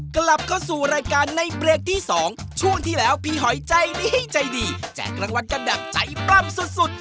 กลับเข้าสู่รายการในเบรกที่๒ช่วงที่แล้วพี่หอยใจดีใจดีแจกรางวัลกันแบบใจปล้ำสุด